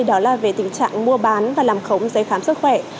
đó là về tình trạng mua bán và làm khống giấy khám sức khỏe